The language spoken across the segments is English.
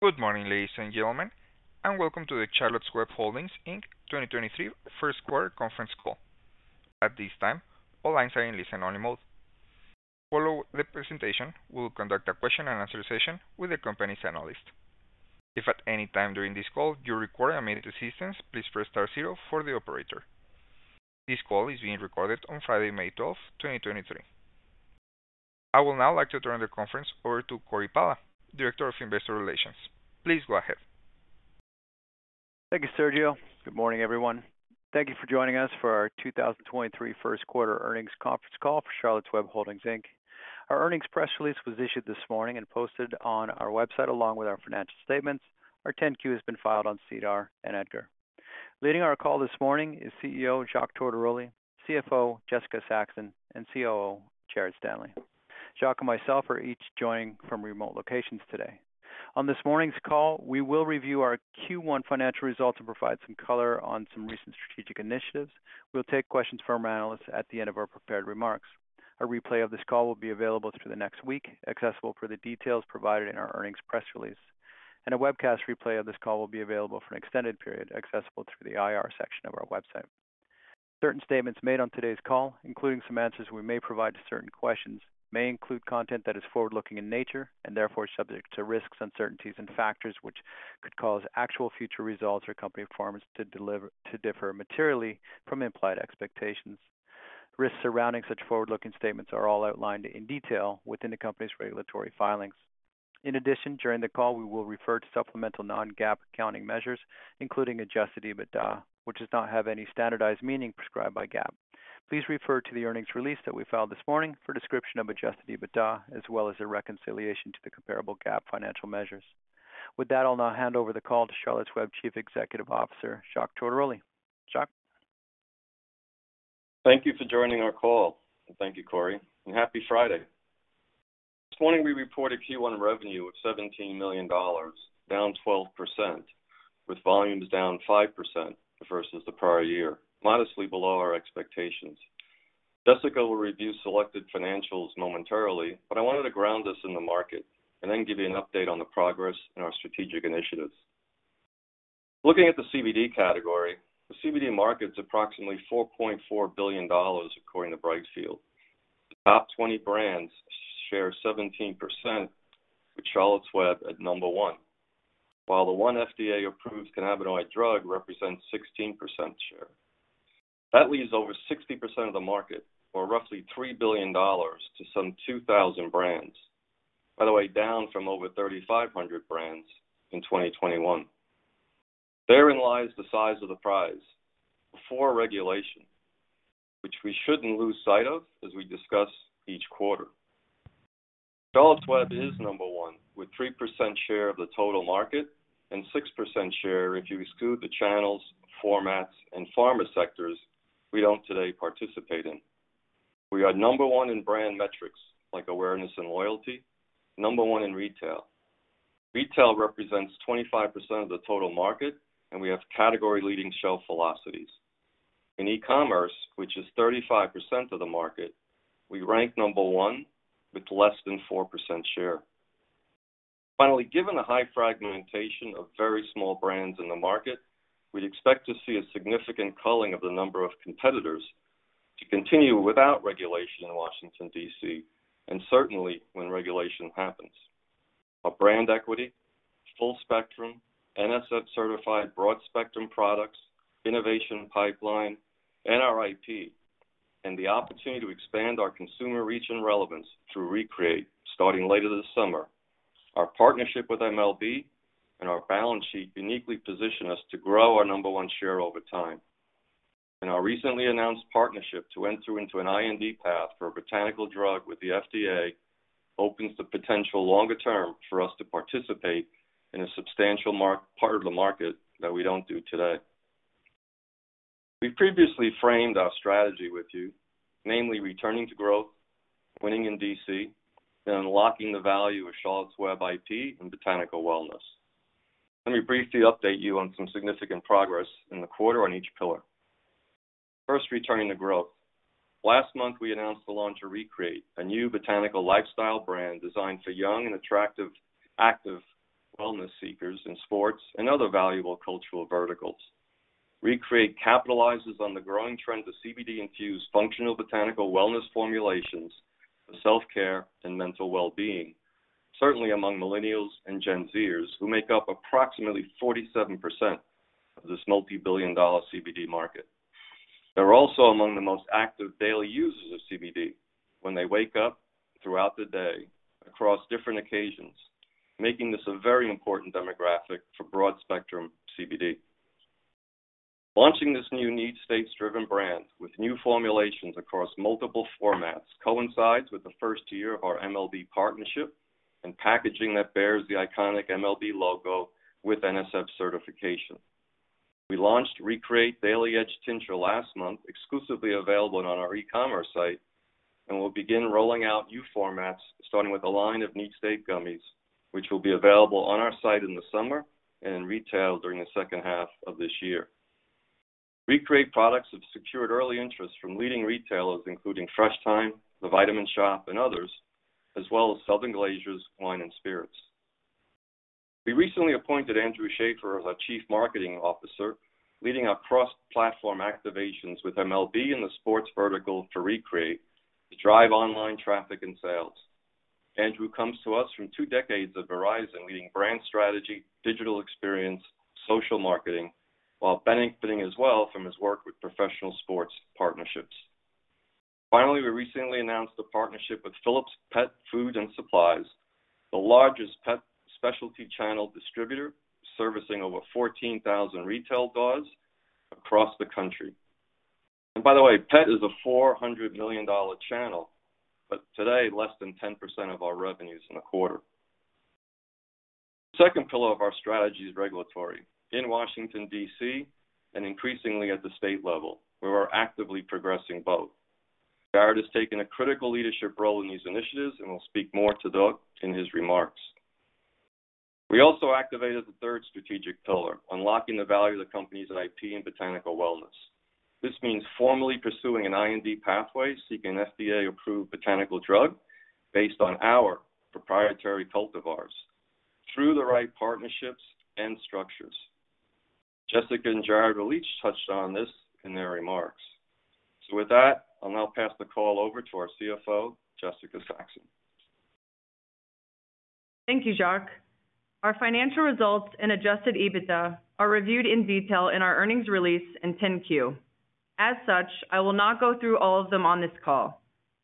Good morning, ladies and gentlemen, welcome to the Charlotte's Web Holdings, Inc. 2023 Q1 conference call. At this time, all lines are in listen-only mode. Following the presentation, we'll conduct a question-and-answer session with the company's analysts. If at any time during this call you require immediate assistance, please press star zero for the operator. This call is being recorded on Friday, May 12th, 2023. I would now like to turn the conference over to Cory Pala, Director of Investor Relations. Please go ahead. Thank you, Sergio. Good morning, everyone. Thank you for joining us for our 2023 Q1 earnings conference call for Charlotte's Web Holdings, Inc. Our earnings press release was issued this morning and posted on our website along with our financial statements. Our 10-Q has been filed on SEDAR and EDGAR. Leading our call this morning is CEO Jacques Tortoroli, CFO Jessica Saxton, and COO Jared Stanley. Jacques and myself are each joining from remote locations today. On this morning's call, we will review our Q1 financial results and provide some color on some recent strategic initiatives. We'll take questions from our analysts at the end of our prepared remarks. A replay of this call will be available through the next week, accessible per the details provided in our earnings press release. A webcast replay of this call will be available for an extended period, accessible through the IR section of our website. Certain statements made on today's call, including some answers we may provide to certain questions, may include content that is forward-looking in nature and therefore subject to risks, uncertainties, and factors which could cause actual future results or company performance to differ materially from implied expectations. Risks surrounding such forward-looking statements are all outlined in detail within the company's regulatory filings. During the call, we will refer to supplemental non-GAAP accounting measures, including adjusted EBITDA, which does not have any standardized meaning prescribed by GAAP. Please refer to the earnings release that we filed this morning for a description of adjusted EBITDA as well as a reconciliation to the comparable GAAP financial measures. With that, I'll now hand over the call to Charlotte's Web Chief Executive Officer, Jacques Tortoroli. Jacques. Thank you for joining our call. Thank you, Cory, and happy Friday. This morning, we reported Q1 revenue of $17 million, down 12%, with volumes down 5% versus the prior year, modestly below our expectations. Jessica will review selected financials momentarily. I wanted to ground us in the market and then give you an update on the progress in our strategic initiatives. Looking at the CBD category, the CBD market is approximately $4.4 billion, according to Brightfield Group. The top 20 brands share 17%, with Charlotte's Web at number one. While the one FDA-approved cannabinoid drug represents 16% share. That leaves over 60% of the market, or roughly $3 billion, to some 2,000 brands. By the way, down from over 3,500 brands in 2021. Therein lies the size of the prize. Before regulation, which we shouldn't lose sight of as we discuss each quarter. Charlotte's Web is number one, with 3% share of the total market and 6% share if you exclude the channels, formats, and pharma sectors we don't today participate in. We are number one in brand metrics like awareness and loyalty, number one in retail. Retail represents 25% of the total market, and we have category-leading shelf velocities. In e-commerce, which is 35% of the market, we rank number one with less than 4% share. Finally, given the high fragmentation of very small brands in the market, we expect to see a significant culling of the number of competitors to continue without regulation in Washington, D.C., and certainly when regulation happens. Our brand equity, full spectrum, NSF-certified broad spectrum products, innovation pipeline, and our IT, the opportunity to expand our consumer reach and relevance through ReCreate starting later this summer. Our partnership with MLB and our balance sheet uniquely position us to grow our number one share over time. Our recently announced partnership to enter into an IND path for a botanical drug with the FDA opens the potential longer term for us to participate in a substantial part of the market that we don't do today. We previously framed our strategy with you, namely returning to growth, winning in D.C., and unlocking the value of Charlotte's Web IP in botanical wellness. Let me briefly update you on some significant progress in the quarter on each pillar. First, returning to growth. Last month, we announced the launch of ReCreate, a new botanical lifestyle brand designed for young and attractive, active wellness seekers in sports and other valuable cultural verticals. ReCreate capitalizes on the growing trend of CBD-infused functional botanical wellness formulations for self-care and mental well-being, certainly among millennials and Gen Zers, who make up approximately 47% of this multi-billion-dollar CBD market. They're also among the most active daily users of CBD when they wake up throughout the day across different occasions, making this a very important demographic for broad spectrum CBD. Launching this new needs-based driven brand with new formulations across multiple formats coincides with the first year of our MLB partnership and packaging that bears the iconic MLB logo with NSF certification. We launched ReCreate Daily Edge Tincture last month, exclusively available on our e-commerce site, and we'll begin rolling out new formats, starting with a line of needs state gummies, which will be available on our site in the summer and in retail during the H2 of this year. ReCreate products have secured early interest from leading retailers including Fresh Thyme, The Vitamin Shoppe, and others, as well as Southern Glazer's Wine & Spirits. We recently appointed Andrew Shafer as our Chief Marketing Officer, leading our cross-platform activations with MLB in the sports vertical to ReCreate, to drive online traffic and sales. Andrew comes to us from two decades of Verizon, leading brand strategy, digital experience, social marketing, while benefiting as well from his work with professional sports partnerships. Finally, we recently announced a partnership with Phillips Pet Food & Supplies, the largest pet specialty channel distributor, servicing over 14,000 retail doors across the country. By the way, pet is a $400 million channel, but today, less than 10% of our revenues in the quarter. The second pillar of our strategy is regulatory. In Washington, D.C., and increasingly at the state level, we are actively progressing both. Jared has taken a critical leadership role in these initiatives and will speak more to those in his remarks. We also activated the third strategic pillar, unlocking the value of the company's IP in botanical wellness. This means formally pursuing an IND pathway, seeking FDA-approved botanical drug based on our proprietary cultivars through the right partnerships and structures. Jessica and Jared will each touch on this in their remarks. With that, I'll now pass the call over to our CFO, Jessica Saxton. Thank you, Jacques. Our financial results and Adjusted EBITDA are reviewed in detail in our earnings release in 10-Q. As such, I will not go through all of them on this call.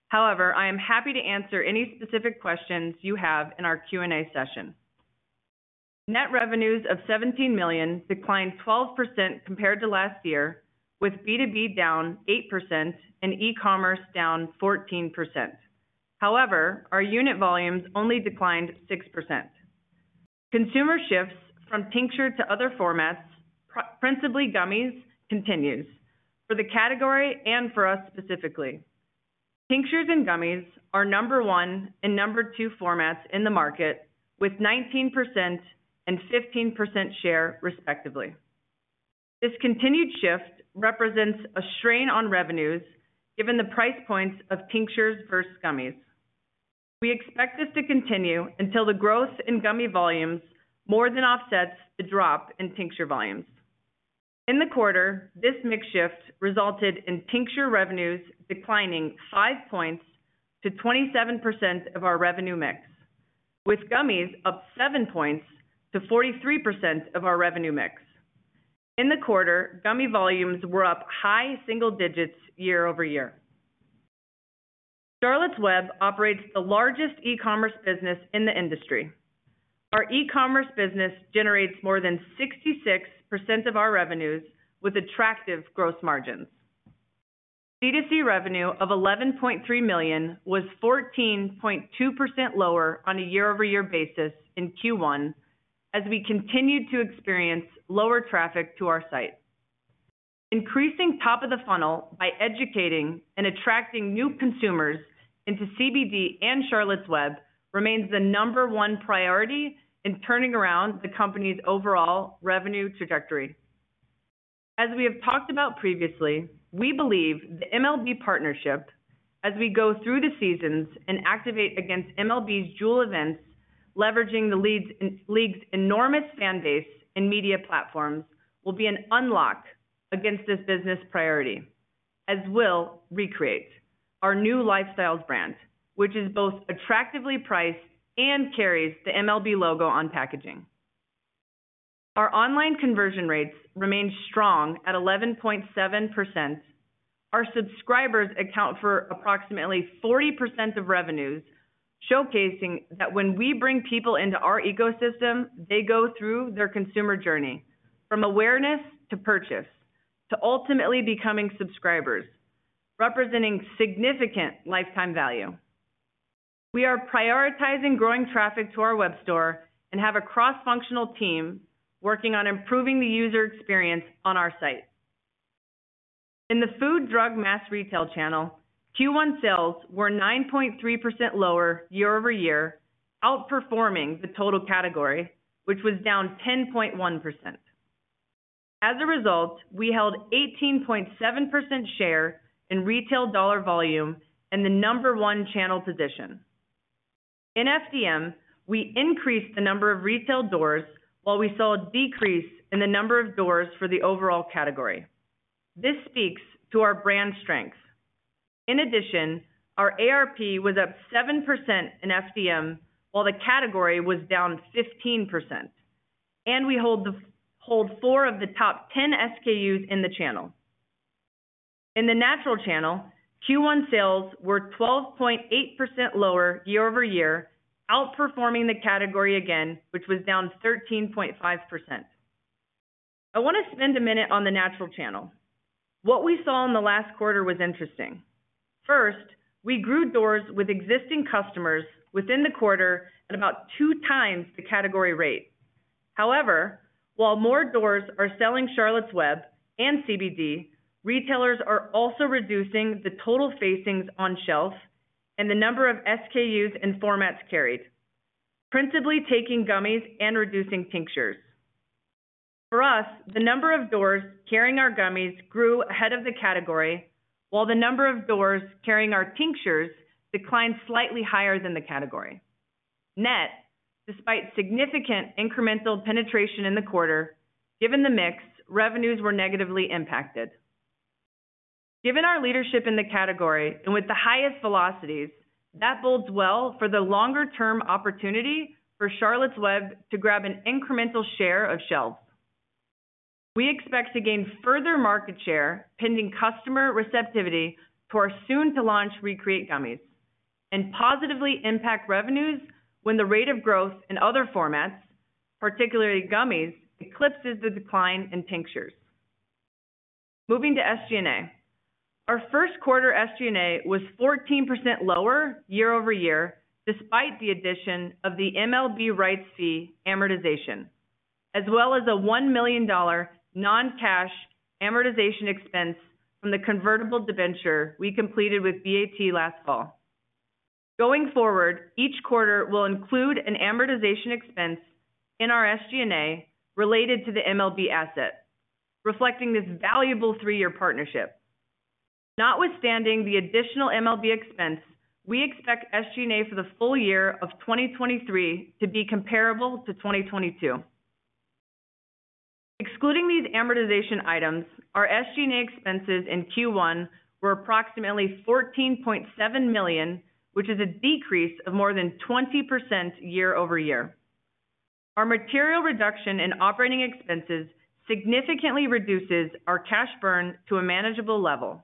However, I am happy to answer any specific questions you have in our Q&A session. Net revenues of $17 million declined 12% compared to last year, with B2B down 8% and e-commerce down 14%. However, our unit volumes only declined 6%. Consumer shifts from tincture to other formats, principally gummies, continues for the category and for us specifically. Tinctures and gummies are number one and number two formats in the market with 19% and 15% share, respectively. This continued shift represents a strain on revenues given the price points of tinctures versus gummies. We expect this to continue until the growth in gummy volumes more than offsets the drop in tincture volumes. In the quarter, this mix shift resulted in tincture revenues declining five points to 27% of our revenue mix, with gummies up seven points to 43% of our revenue mix. In the quarter, gummy volumes were up high single digits year-over-year. Charlotte's Web operates the largest e-commerce business in the industry. Our e-commerce business generates more than 66% of our revenues with attractive gross margins. B2C revenue of $11.3 million was 14.2% lower on a year-over-year basis in Q1 as we continued to experience lower traffic to our site. Increasing top of the funnel by educating and attracting new consumers into CBD and Charlotte's Web remains the number one priority in turning around the company's overall revenue trajectory. As we have talked about previously, we believe the MLB partnership, as we go through the seasons and activate against MLB's jewel events, leveraging the league's enormous fan base and media platforms, will be an unlock against this business priority, as will ReCreate our new lifestyles brand, which is both attractively priced and carries the MLB logo on packaging. Our online conversion rates remain strong at 11.7%. Our subscribers account for approximately 40% of revenues, showcasing that when we bring people into our ecosystem, they go through their consumer journey from awareness to purchase, to ultimately becoming subscribers, representing significant lifetime value. We are prioritizing growing traffic to our web store and have a cross-functional team working on improving the user experience on our site. In the food drug mass retail channel, Q1 sales were 9.3% lower year-over-year, outperforming the total category, which was down 10.1%. As a result, we held 18.7% share in retail dollar volume and the number one channel position. In FDM, we increased the number of retail doors while we saw a decrease in the number of doors for the overall category. This speaks to our brand strength. In addition, our ARP was up 7% in FDM, while the category was down 15%. We hold four of the top 10 SKUs in the channel. In the natural channel, Q1 sales were 12.8% lower year-over-year, outperforming the category again, which was down 13.5%. I want to spend a minute on the natural channel. What we saw in the last quarter was interesting. First, we grew doors with existing customers within the quarter at about two times the category rate. However, while more doors are selling Charlotte's Web and CBD, retailers are also reducing the total facings on shelf and the number of SKUs and formats carried. Principally taking gummies and reducing tinctures. For us, the number of doors carrying our gummies grew ahead of the category, while the number of doors carrying our tinctures declined slightly higher than the category. Net, despite significant incremental penetration in the quarter, given the mix, revenues were negatively impacted. Given our leadership in the category and with the highest velocities, that bodes well for the longer-term opportunity for Charlotte's Web to grab an incremental share of shelves. We expect to gain further market share pending customer receptivity to our soon-to-launch ReCreate gummies and positively impact revenues when the rate of growth in other formats, particularly gummies, eclipses the decline in tinctures. Moving to SG&A. Our Q1 SG&A was 14% lower year-over-year despite the addition of the MLB rights fee amortization, as well as a $1 million non-cash amortization expense from the convertible debenture we completed with BAT last fall. Going forward, each quarter will include an amortization expense in our SG&A related to the MLB asset, reflecting this valuable three-year partnership. Notwithstanding the additional MLB expense, we expect SG&A for the full year of 2023 to be comparable to 2022. Excluding these amortization items, our SG&A expenses in Q1 were approximately $14.7 million, which is a decrease of more than 20% year-over-year. Our material reduction in operating expenses significantly reduces our cash burn to a manageable level.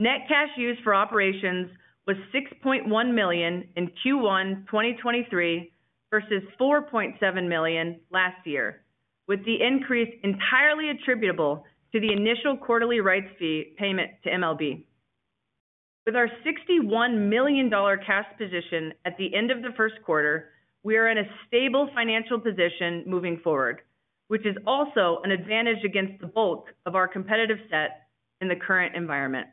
Net cash used for operations was $6.1 million in Q1 2023 versus $4.7 million last year, with the increase entirely attributable to the initial quarterly rights fee payment to MLB. With our $61 million cash position at the end of the Q1, we are in a stable financial position moving forward, which is also an advantage against the bulk of our competitive set in the current environment.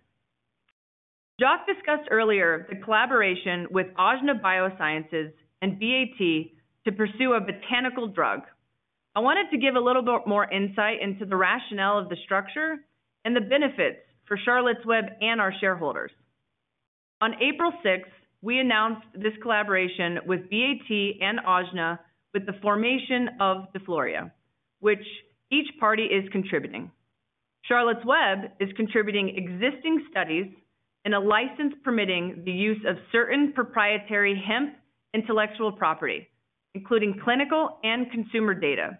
Jacques discussed earlier the collaboration with AJNA BioSciences and BAT to pursue a botanical drug. I wanted to give a little bit more insight into the rationale of the structure and the benefits for Charlotte's Web and our shareholders. On 6 April 2023, we announced this collaboration with BAT and AJNA with the formation of DeFloria, which each party is contributing. Charlotte's Web is contributing existing studies and a license permitting the use of certain proprietary hemp intellectual property, including clinical and consumer data.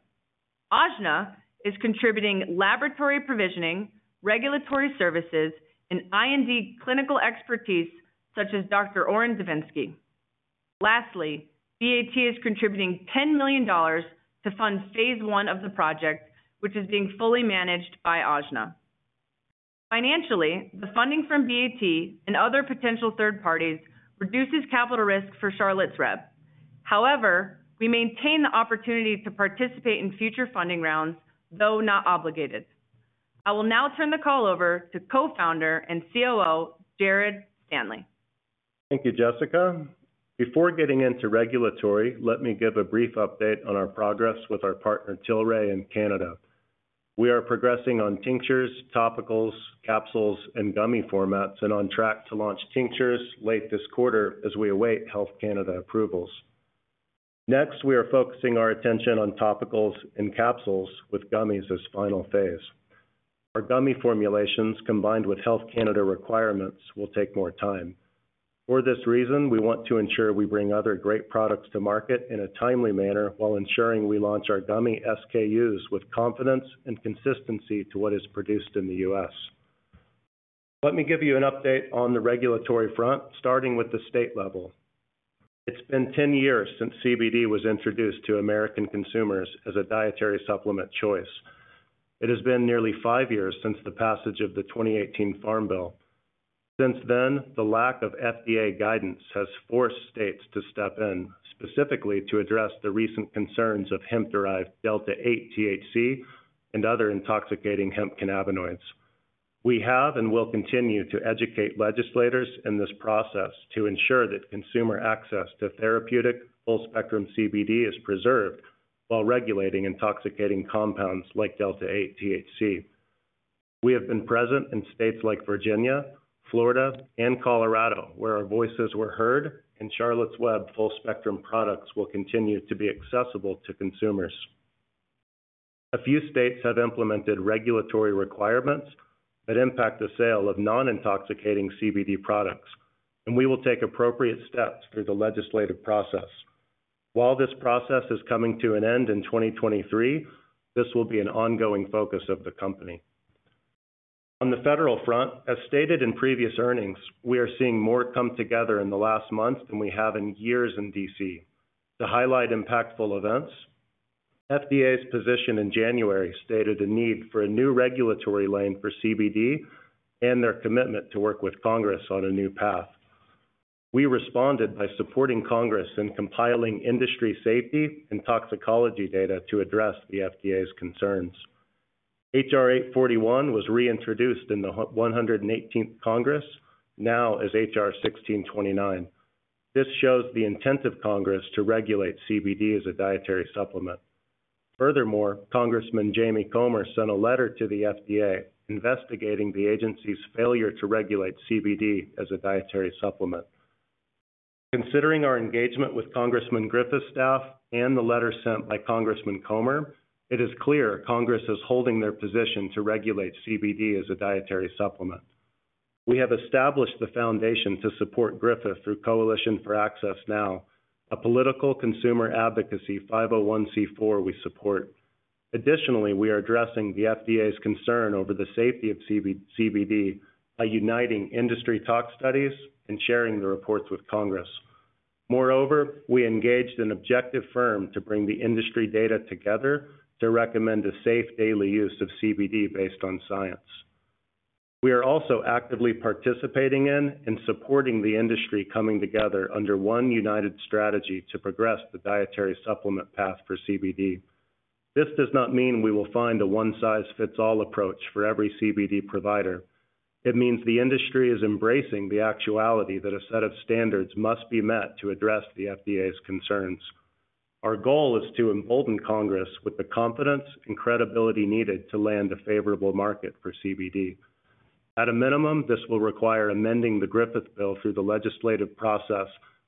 AJNA is contributing laboratory provisioning, regulatory services, and IND clinical expertise such as Dr. Orrin Devinsky. BAT is contributing $10 million to fund phase I of the project, which is being fully managed by AJNA. Financially, the funding from BAT and other potential third parties reduces capital risk for Charlotte's Web. We maintain the opportunity to participate in future funding rounds, though not obligated. I will now turn the call over to co-founder and COO, Jared Stanley. Thank you, Jessica. Before getting into regulatory, let me give a brief update on our progress with our partner, Tilray, in Canada. We are progressing on tinctures, topicals, capsules, and gummy formats and on track to launch tinctures late this quarter as we await Health Canada approvals. Next, we are focusing our attention on topicals and capsules with gummies as final phase. Our gummy formulations combined with Health Canada requirements will take more time. For this reason, we want to ensure we bring other great products to market in a timely manner while ensuring we launch our gummy SKUs with confidence and consistency to what is produced in the U.S. Let me give you an update on the regulatory front, starting with the state level. It's been 10 years since CBD was introduced to American consumers as a dietary supplement choice. It has been nearly five years since the passage of the 2018 Farm Bill. Since then, the lack of FDA guidance has forced states to step in, specifically to address the recent concerns of hemp-derived delta-8 THC and other intoxicating hemp cannabinoids. We have and will continue to educate legislators in this process to ensure that consumer access to therapeutic full-spectrum CBD is preserved while regulating intoxicating compounds like delta-8 THC. We have been present in states like Virginia, Florida, and Colorado, where our voices were heard, and Charlotte's Web full-spectrum products will continue to be accessible to consumers. A few states have implemented regulatory requirements that impact the sale of non-intoxicating CBD products, and we will take appropriate steps through the legislative process. While this process is coming to an end in 2023, this will be an ongoing focus of the company. On the federal front, as stated in previous earnings, we are seeing more come together in the last month than we have in years in D.C. To highlight impactful events, FDA's position in January stated a need for a new regulatory lane for CBD and their commitment to work with Congress on a new path. We responded by supporting Congress in compiling industry safety and toxicology data to address the FDA's concerns. H.R.841 was reintroduced in the 118th Congress, now as H.R.1629. This shows the intent of Congress to regulate CBD as a dietary supplement. Furthermore, Congressman James Comer sent a letter to the FDA investigating the agency's failure to regulate CBD as a dietary supplement. Considering our engagement with Congressman Griffith's staff and the letter sent by Congressman Comer, it is clear Congress is holding their position to regulate CBD as a dietary supplement. We have established the foundation to support Griffith through Coalition for Access Now, a political consumer advocacy 501(c)(4) we support. We are addressing the FDA's concern over the safety of CBD by uniting industry tox studies and sharing the reports with Congress. We engaged an objective firm to bring the industry data together to recommend a safe daily use of CBD based on science. We are also actively participating in and supporting the industry coming together under one united strategy to progress the dietary supplement path for CBD. This does not mean we will find a one-size-fits-all approach for every CBD provider. It means the industry is embracing the actuality that a set of standards must be met to address the FDA's concerns. Our goal is to embolden Congress with the confidence and credibility needed to land a favorable market for CBD. At a minimum, this will require amending the Griffith Bill through the legislative process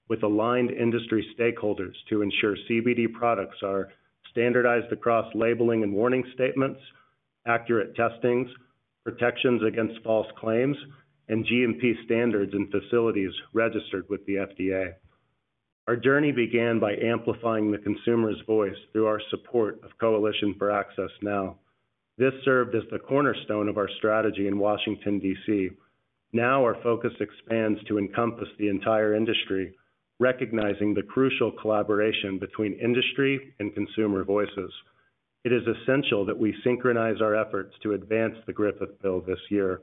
with aligned industry stakeholders to ensure CBD products are standardized across labeling and warning statements, accurate testings, protections against false claims, and GMP standards and facilities registered with the FDA. Our journey began by amplifying the consumer's voice through our support of Coalition for Access Now. This served as the cornerstone of our strategy in Washington, D.C. Our focus expands to encompass the entire industry, recognizing the crucial collaboration between industry and consumer voices. It is essential that we synchronize our efforts to advance the Griffith Bill this year.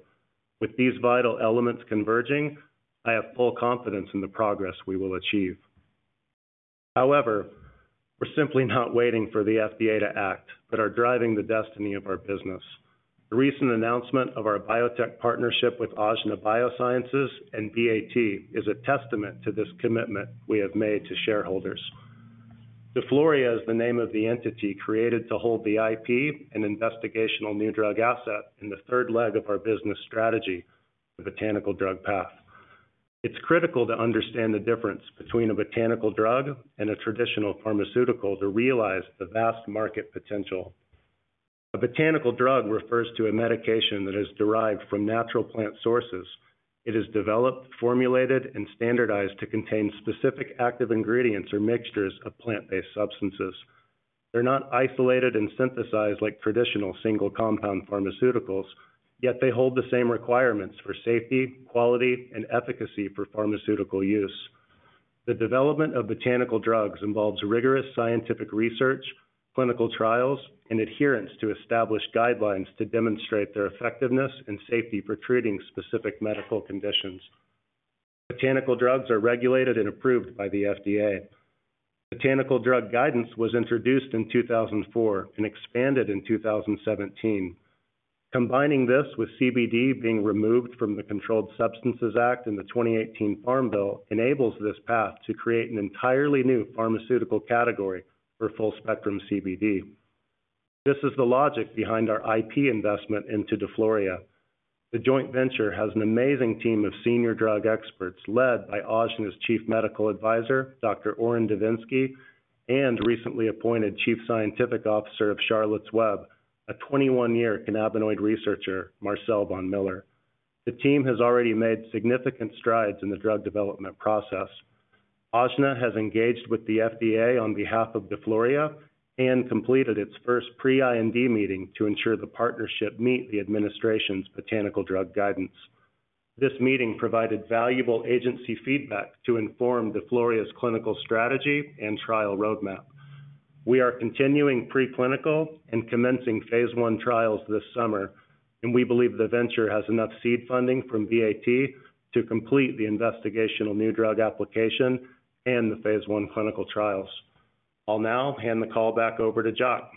With these vital elements converging, I have full confidence in the progress we will achieve. We're simply not waiting for the FDA to act, but are driving the destiny of our business. The recent announcement of our biotech partnership with AJNA BioSciences and BAT is a testament to this commitment we have made to shareholders. DeFloria is the name of the entity created to hold the IP and investigational new drug asset in the third leg of our business strategy, the botanical drug path. It's critical to understand the difference between a botanical drug and a traditional pharmaceutical to realize the vast market potential. A botanical drug refers to a medication that is derived from natural plant sources. It is developed, formulated, and standardized to contain specific active ingredients or mixtures of plant-based substances. They're not isolated and synthesized like traditional single compound pharmaceuticals, yet they hold the same requirements for safety, quality, and efficacy for pharmaceutical use. The development of botanical drugs involves rigorous scientific research, clinical trials, and adherence to established guidelines to demonstrate their effectiveness and safety for treating specific medical conditions. Botanical drugs are regulated and approved by the FDA. Botanical drug guidance was introduced in 2004 and expanded in 2017. Combining this with CBD being removed from the Controlled Substances Act in the 2018 Farm Bill enables this path to create an entirely new pharmaceutical category for full-spectrum CBD. This is the logic behind our IP investment into DeFloria. The joint venture has an amazing team of senior drug experts led by AJNA's Chief Medical Advisor, Dr. Orrin Devinsky, and recently appointed Chief Scientific Officer of Charlotte's Web, a 21-year cannabinoid researcher, Marcel Bonn-Miller. The team has already made significant strides in the drug development process. AJNA has engaged with the FDA on behalf of DeFloria and completed its first pre-IND meeting to ensure the partnership meet the administration's botanical drug guidance. This meeting provided valuable agency feedback to inform DeFloria's clinical strategy and trial roadmap. We are continuing pre-clinical and commencing phase I trials this summer. We believe the venture has enough seed funding from BAT to complete the investigational new drug application and the phase I clinical trials. I'll now hand the call back over to Jacques.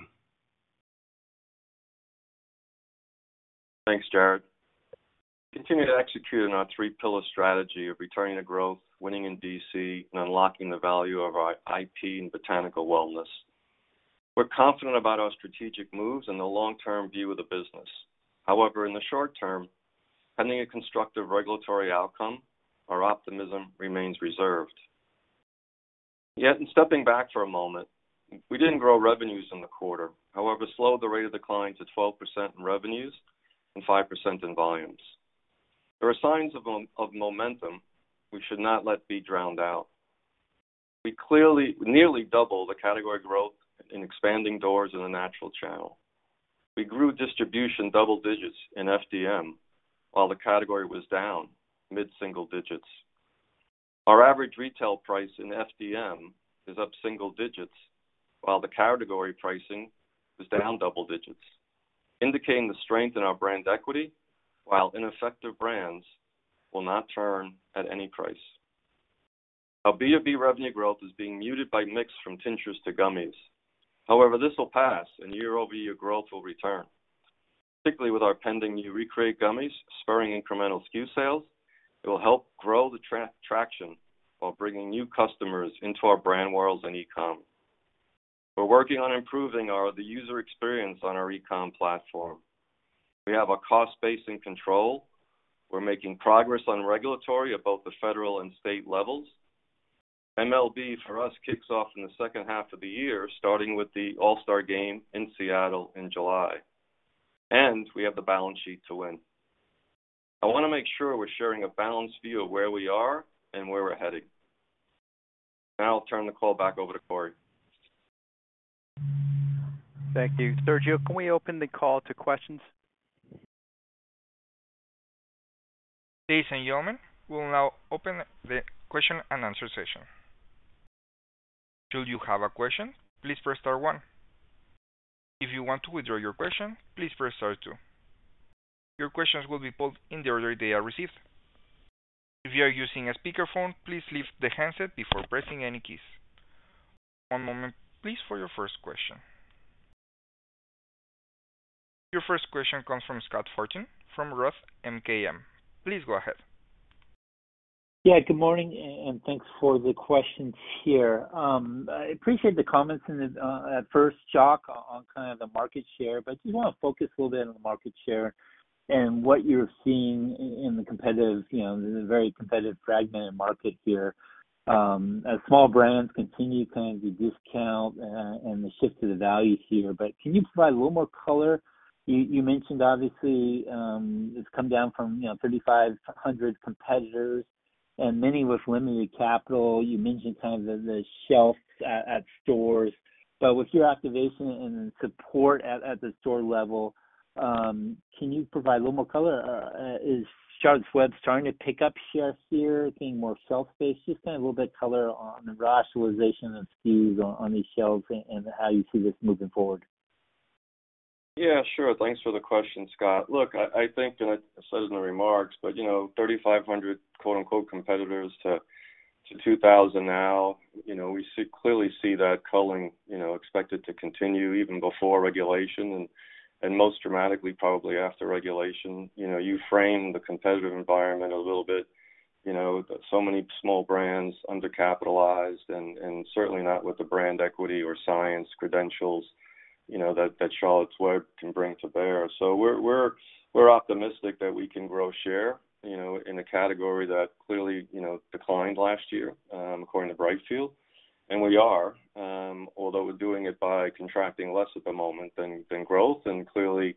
Thanks, Jared. Continue to execute on our three-pillar strategy of returning to growth, winning in D.C., and unlocking the value of our IP and botanical wellness. We're confident about our strategic moves and the long-term view of the business. However, in the short term, pending a constructive regulatory outcome, our optimism remains reserved. In stepping back for a moment, we didn't grow revenues in the quarter. However, slowed the rate of decline to 12% in revenues and 5% in volumes. There are signs of momentum we should not let be drowned out. We nearly doubled the category growth in expanding doors in the natural channel. We grew distribution double digits in FDM while the category was down mid-single digits. Our average retail price in FDM is up single digits, while the category pricing is down double digits, indicating the strength in our brand equity, while ineffective brands will not turn at any price. Our B2B revenue growth is being muted by mix from tinctures to gummies. This will pass and year-over-year growth will return. Particularly with our pending new ReCreate gummies spurring incremental SKU sales, it will help grow the traction while bringing new customers into our brand worlds and e-com. We're working on improving the user experience on our e-com platform. We have our cost base in control. We're making progress on regulatory at both the federal and state levels. MLB for us kicks off in the H2 of the year, starting with the All-Star game in Seattle in July. We have the balance sheet to win. I want to make sure we're sharing a balanced view of where we are and where we're heading. Now I'll turn the call back over to Cory. Thank you. Sergio, can we open the call to questions? Ladies and gentlemen, we'll now open the question and answer session. Should you have a question, please press star one. If you want to withdraw your question, please press star two. Your questions will be pulled in the order they are received. If you are using a speakerphone, please lift the handset before pressing any keys. One moment please, for your first question. Your first question comes from Scott Fortune from ROTH MKM. Please go ahead. Good morning and thanks for the questions here. I appreciate the comments in the at first, Jacques, on kind of the market share, but just want to focus a little bit on the market share and what you're seeing in the competitive, you know, the very competitive fragmented market here, as small brands continue kind of the discount and the shift to the values here. Can you provide a little more color? You mentioned obviously, it's come down from, you know, 3,500 competitors and many with limited capital. You mentioned kind of the shelf at stores. With your activation and support at the store level, can you provide a little more color? Is Charlotte's Web starting to pick up shares here, getting more shelf space? Kind of a little bit color on the rationalization of SKUs on these shelves and how you see this moving forward. Yeah, sure. Thanks for the question, Scott. Look, I think, and I said it in the remarks, but, you know, 3,500 quote-unquote "competitors" to 2,000 now. You know, we clearly see that culling, you know, expected to continue even before regulation and most dramatically probably after regulation. You know, you frame the competitive environment a little bit, you know, so many small brands undercapitalized and certainly not with the brand equity or science credentials, you know, that Charlotte's Web can bring to bear. We're optimistic that we can grow share, you know, in a category that clearly, you know, declined last year, according to Brightfield. We are, although we're doing it by contracting less at the moment than growth. Clearly,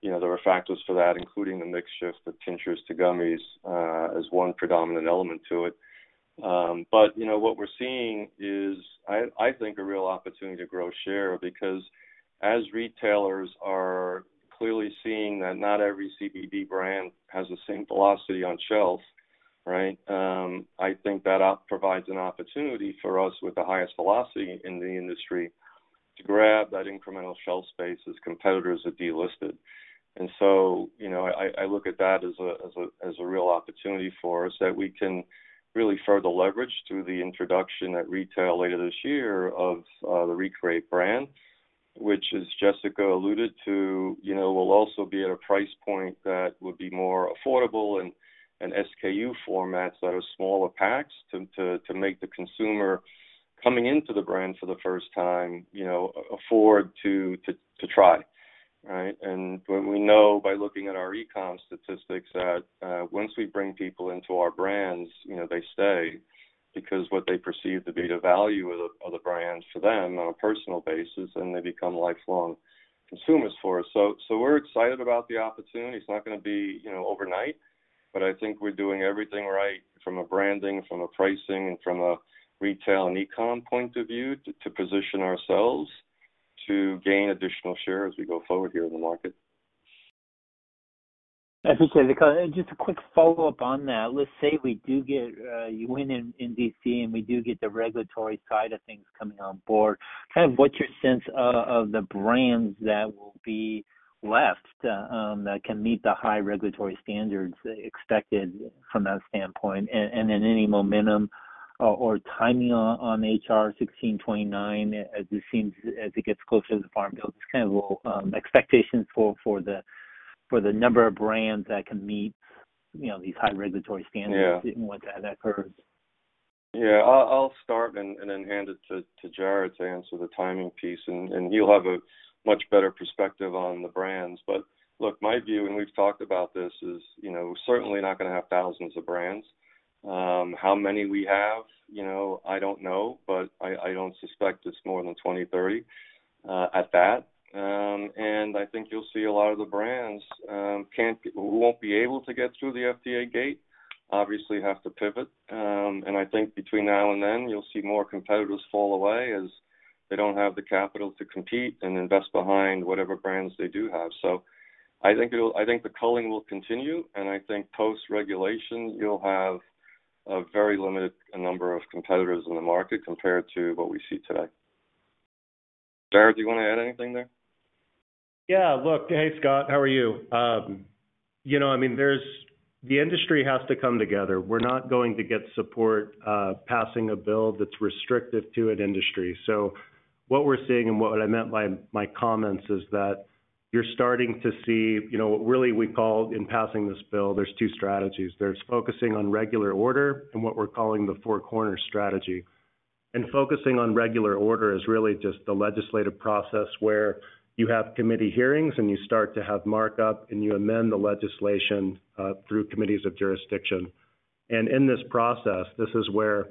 you know, there are factors for that, including the mix shift of tinctures to gummies, as one predominant element to it. You know, what we're seeing is I think a real opportunity to grow share because as retailers are clearly seeing that not every CBD brand has the same velocity on shelves, right? I think that provides an opportunity for us with the highest velocity in the industry to grab that incremental shelf space as competitors are delisted. You know, I look at that as a real opportunity for us that we can really further leverage through the introduction at retail later this year of the ReCreate brand, which as Jessica alluded to, you know, will also be at a price point that would be more affordable and SKU formats that are smaller packs to make the consumer coming into the brand for the first time, you know, afford to try, right? We know by looking at our e-com statistics that once we bring people into our brands, you know, they stay because what they perceive to be the value of the brands for them on a personal basis, and they become lifelong consumers for us. We're excited about the opportunity. It's not going to be, you know, overnight, but I think we're doing everything right from a branding, from a pricing, and from a retail and e-com point of view to position ourselves to gain additional share as we go forward here in the market. I think, just a quick follow-up on that. Let's say we do get, you win in D.C., and we do get the regulatory side of things coming on board. Kind of what's your sense of the brands that will be left that can meet the high regulatory standards expected from that standpoint? And then any momentum or timing on H.R.1629 as it gets closer to the Farm Bill? Just kind of a little expectations for the number of brands that can meet, you know, these high regulatory standards? Yeah When that occurs. Yeah. I'll start and then hand it to Jared to answer the timing piece, and he'll have a much better perspective on the brands. Look, my view, and we've talked about this, is, you know, we're certainly not going to have thousands of brands. How many we have, you know, I don't know, but I don't suspect it's more than 20, 30 at that. I think you'll see a lot of the brands won't be able to get through the FDA gate, obviously have to pivot. I think between now and then, you'll see more competitors fall away as they don't have the capital to compete and invest behind whatever brands they do have. I think the culling will continue. I think post-regulation you'll have a very limited number of competitors in the market compared to what we see today. Jared, do you want to add anything there? Yeah. Look. Hey, Scott, how are you? You know, I mean, the industry has to come together. We're not going to get support, passing a bill that's restrictive to an industry. What we're seeing and what I meant by my comments is that you're starting to see, you know, what really we call in passing this bill, there's two strategies. There's focusing on regular order and what we're calling the four corner strategy. Focusing on regular order is really just the legislative process where you have committee hearings, and you start to have markup, and you amend the legislation, through committees of jurisdiction. In this process, this is where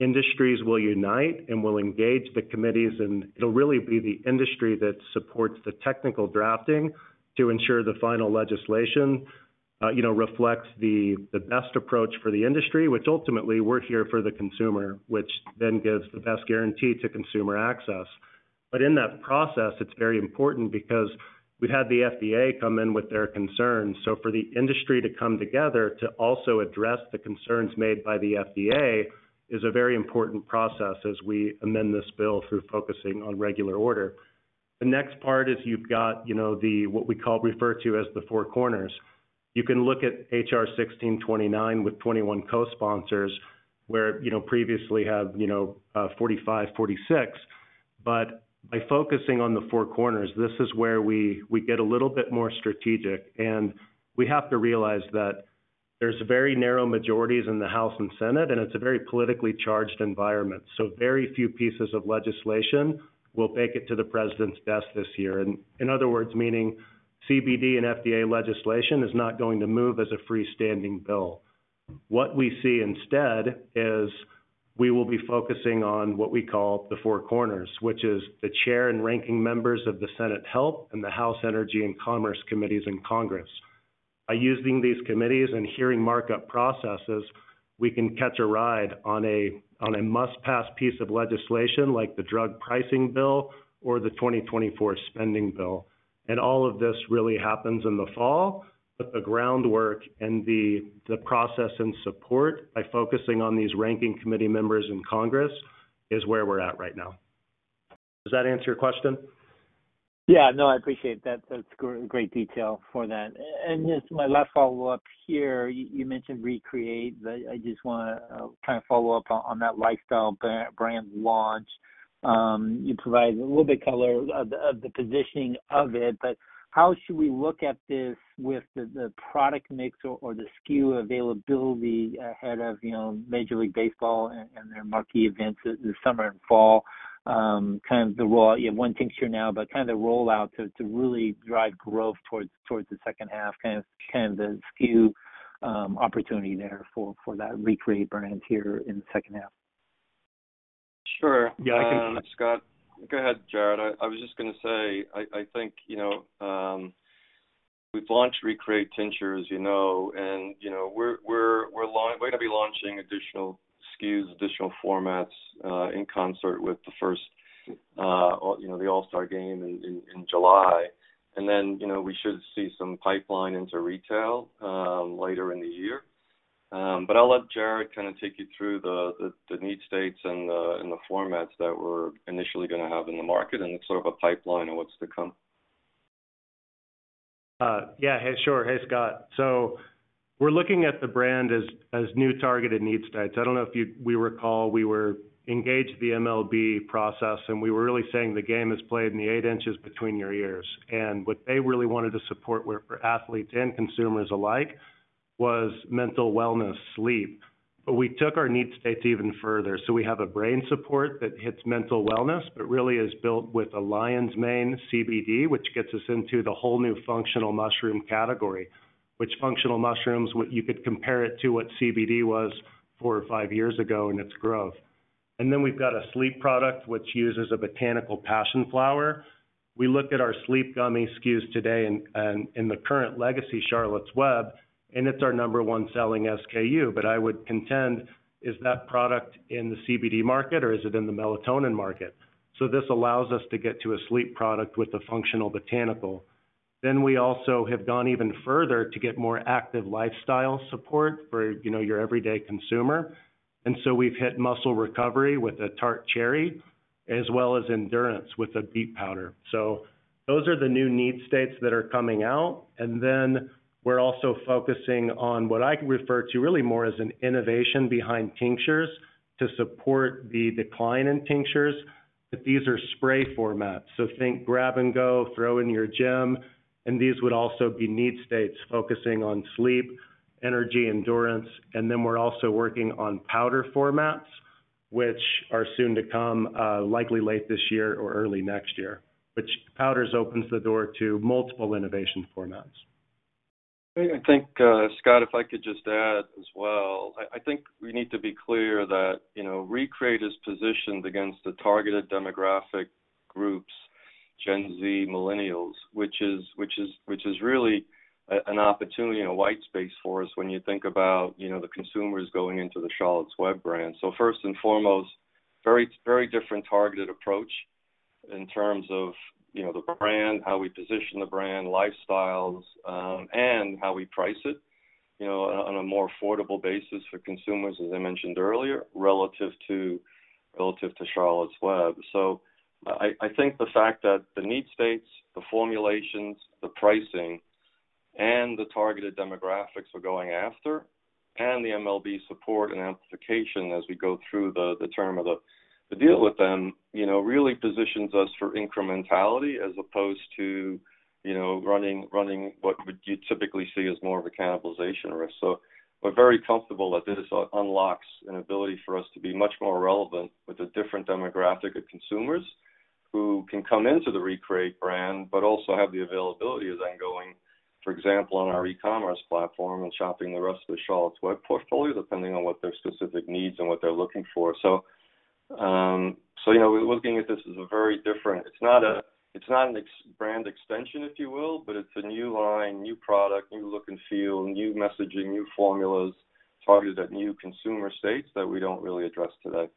industries will unite and will engage the committees, and it'll really be the industry that supports the technical drafting to ensure the final legislation, you know, reflects the best approach for the industry, which ultimately we're here for the consumer, which then gives the best guarantee to consumer access. In that process, it's very important because we've had the FDA come in with their concerns. For the industry to come together to also address the concerns made by the FDA is a very important process as we amend this bill through focusing on regular order. The next part is you've got, you know, the, what we call refer to as the four corners. You can look at H.R.1629 with 21 co-sponsors where, you know, previously had, you know, 45, 46. By focusing on the four corners, this is where we get a little bit more strategic. We have to realize that there's very narrow majorities in the House and Senate, and it's a very politically charged environment. Very few pieces of legislation will make it to the president's desk this year. In other words, meaning CBD and FDA legislation is not going to move as a freestanding bill. What we see instead is we will be focusing on what we call the four corners, which is the chair and ranking members of the Senate Health and the House Energy and Commerce committees in Congress. By using these committees and hearing markup processes, we can catch a ride on a must-pass piece of legislation like the drug pricing bill or the 2024 spending bill. All of this really happens in the fall, but the groundwork and the process and support by focusing on these ranking committee members in Congress is where we're at right now. Does that answer your question? Yeah, no, I appreciate that. That's great detail for that. Just my last follow-up here. You mentioned ReCreate. I just wanna kind of follow up on that lifestyle brand launch. You provide a little bit color of the positioning of it, but how should we look at this with the product mix or the SKU availability ahead of, you know, Major League Baseball and their marquee events this summer and fall, kind of the roll, you have one tincture now, but kind of the rollout to really drive growth towards the H2, kind of the SKU opportunity there for that ReCreate brand here in the H2. Sure. Yeah. Scott. Go ahead, Jared. I was just gonna say, I think, you know, we've launched ReCreate tinctures, you know, and, you know, we're gonna be launching additional SKUs, additional formats, in concert with the first, you know, the All-Star Game in July. You know, we should see some pipeline into retail later in the year. I'll let Jared kind of take you through the need states and the formats that we're initially gonna have in the market, and it's sort of a pipeline of what's to come. Yeah. Hey, sure. Hey, Scott. We're looking at the brand as new targeted need states. I don't know if you recall we were engaged the MLB process, we were really saying the game is played in the eight inches between your ears. What they really wanted to support were for athletes and consumers alike, was mental wellness, sleep. We took our need states even further. We have a brain support that hits mental wellness but really is built with a Lion's Mane CBD, which gets us into the whole new functional mushroom category. Functional mushrooms would, you could compare it to what CBD was four or five years ago in its growth. We've got a sleep product which uses a botanical passionflower. We looked at our sleep gummy SKUs today in the current legacy, Charlotte's Web, and it's our number one selling SKU. I would contend, is that product in the CBD market, or is it in the melatonin market? This allows us to get to a sleep product with a functional botanical. We also have gone even further to get more active lifestyle support for, you know, your everyday consumer. We've hit muscle recovery with a tart cherry, as well as endurance with a beet powder. Those are the new need states that are coming out. We're also focusing on what I refer to really more as an innovation behind tinctures to support the decline in tinctures. These are spray formats. Think grab and go, throw in your gym. These would also be need states focusing on sleep, energy, endurance. Then we're also working on powder formats, which are soon to come, likely late this year or early next year. Which powders opens the door to multiple innovation formats. I think, Scott, if I could just add as well. I think we need to be clear that, you know, ReCreate is positioned against the targeted demographic groups, Gen Z, millennials, which is really an opportunity and a white space for us when you think about, you know, the consumers going into the Charlotte's Web brand. First and foremost, very, very different targeted approach in terms of, you know, the brand, how we position the brand, lifestyles, and how we price it. You know, on a more affordable basis for consumers, as I mentioned earlier, relative to Charlotte's Web. I think the fact that the need states, the formulations, the pricing, and the targeted demographics we're going after, and the MLB support and amplification as we go through the term of the deal with them, you know, really positions us for incrementality as opposed to, you know, running what we do typically see as more of a cannibalization risk. We're very comfortable that this unlocks an ability for us to be much more relevant with a different demographic of consumers who can come into the ReCreate brand but also have the availability of then going, for example, on our e-commerce platform and shopping the rest of the Charlotte's Web portfolio, depending on what their specific needs and what they're looking for. You know, we're looking at this as a very different. It's not an ex-brand extension, if you will, but it's a new line, new product, new look and feel, new messaging, new formulas targeted at new consumer states that we don't really address today.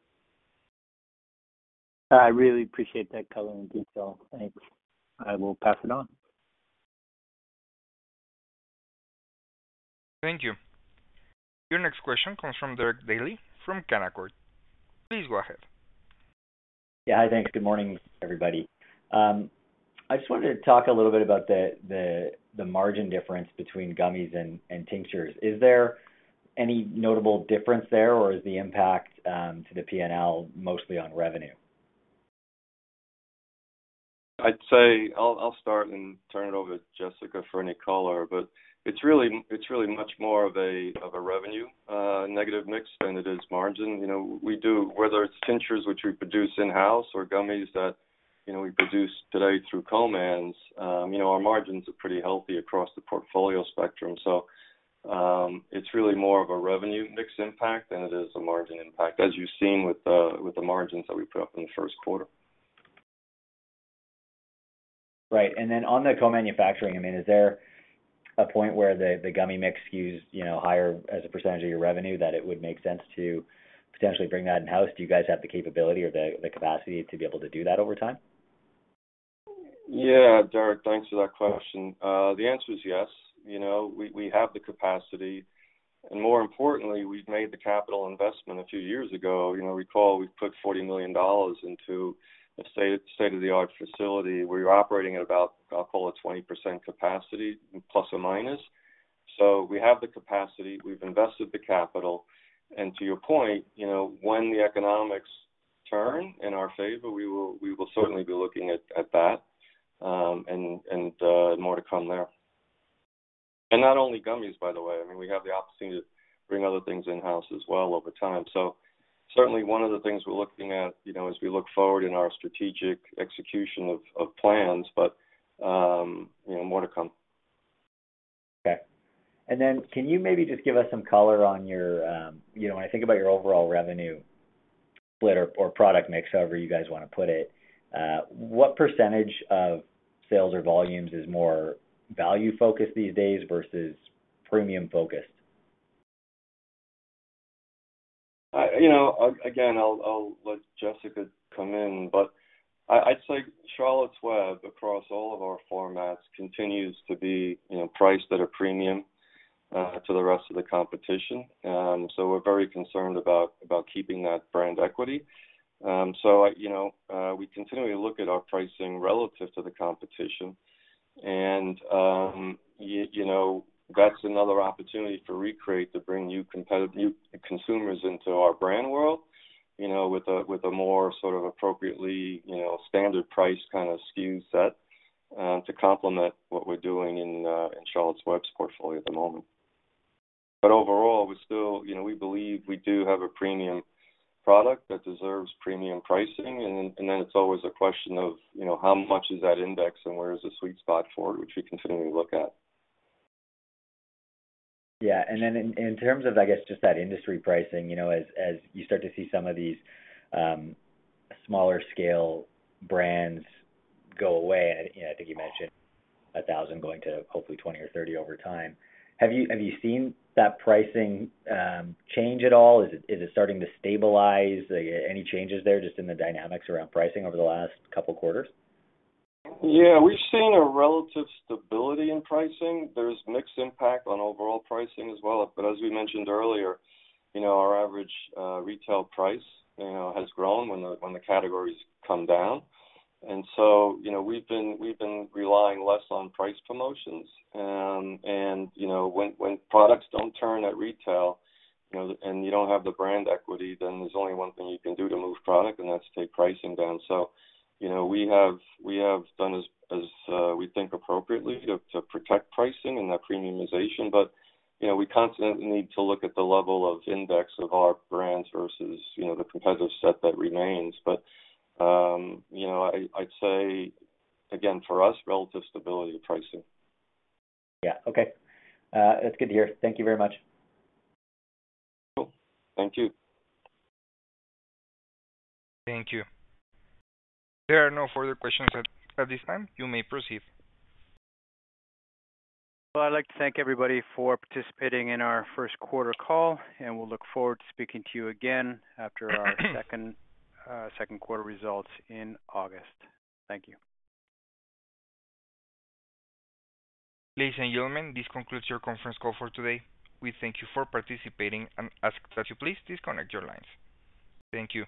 I really appreciate that color and detail. Thanks. I will pass it on. Thank you. Your next question comes from Derek Dley from Canaccord. Please go ahead. Yeah. Hi. Thanks. Good morning, everybody. I just wanted to talk a little bit about the margin difference between gummies and tinctures. Is there any notable difference there, or is the impact to the PNL mostly on revenue? I'd say I'll start and turn it over to Jessica for any color. It's really much more of a negative mix than it is margin. You know, we do, whether it's tinctures, which we produce in-house, or gummies that, you know, we produce today through co-man, our margins are pretty healthy across the portfolio spectrum. It's really more of a revenue mix impact than it is a margin impact, as you've seen with the margins that we put up in the Q1. Right. On the co-manufacturing, I mean, is there a point where the gummy mix SKUs, you know, higher as a percentage of your revenue that it would make sense to potentially bring that in-house? Do you guys have the capability or the capacity to be able to do that over time? Yeah. Derek, thanks for that question. The answer is yes. You know, we have the capacity, and more importantly, we've made the capital investment a few years ago. You know, recall we put $40 million into a state-of-the-art facility. We're operating at about, I'll call it 20% capacity, plus or minus. We have the capacity. We've invested the capital. To your point, you know, when the economics turn in our favor, we will certainly be looking at that, and more to come there. Not only gummies, by the way. I mean, we have the opportunity to bring other things in-house as well over time. Certainly one of the things we're looking at, you know, as we look forward in our strategic execution of plans, but, you know, more to come. Okay. Can you maybe just give us some color on your. You know, when I think about your overall revenue split or product mix, however you guys wanna put it, what percentage of sales or volumes is more value-focused these days versus premium-focused? You know, again, I'll let Jessica come in, but I'd say Charlotte's Web, across all of our formats, continues to be, you know, priced at a premium to the rest of the competition. We're very concerned about keeping that brand equity. You know, we continually look at our pricing relative to the competition and you know, that's another opportunity for ReCreate to bring new consumers into our brand world, you know, with a more sort of appropriately, you know, standard price kinda SKU set to complement what we're doing in Charlotte's Web's portfolio at the moment. Overall, we still. You know, we believe we do have a premium product that deserves premium pricing. It's always a question of, you know, how much is that index and where is the sweet spot for it, which we continually look at. Yeah. In terms of, I guess, just that industry pricing, you know, as you start to see some of these smaller scale brands go away, and, you know, I think you mentioned 1,000 going to hopefully 20 or 30 over time, have you seen that pricing change at all? Is it starting to stabilize? Any changes there just in the dynamics around pricing over the last two quarters? Yeah. We've seen a relative stability in pricing. There's mixed impact on overall pricing as well. As we mentioned earlier, you know, our average retail price, you know, has grown when the categories come down. You know, we've been relying less on price promotions. You know, when products don't turn at retail, you know, and you don't have the brand equity, then there's only one thing you can do to move product, and that's take pricing down. You know, we have done as we think appropriately to protect pricing and that premiumization. You know, we constantly need to look at the level of index of our brands versus, you know, the competitive set that remains. You know, I'd say again, for us, relative stability pricing. Yeah. Okay. That's good to hear. Thank you very much. Cool. Thank you. Thank you. There are no further questions at this time. You may proceed. Well, I'd like to thank everybody for participating in our Q1 call. We'll look forward to speaking to you again after our Q2 results in August. Thank you. Ladies and gentlemen, this concludes your conference call for today. We thank you for participating and ask that you please disconnect your lines. Thank you.